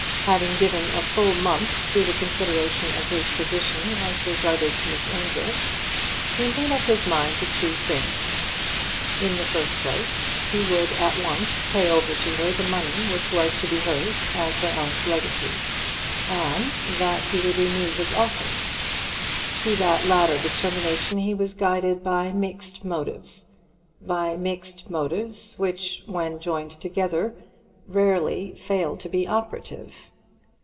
Having given a full month to the consideration of his position as regarded Miss Amedroz, he made up his mind to two things. In the first place, he would at once pay over to her the money which was to be hers as her aunt's legacy, and then he would renew his offer. To that latter determination he was guided by mixed motives, by motives which, when joined together, rarely fail to be operative.